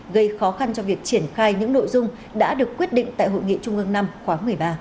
gây khó khăn cho việc triển khai những nội dung đã được quyết định tại hội nghị trung ương năm khóa một mươi ba